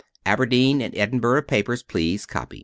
Aberdeen and Edinburgh papers please copy!'"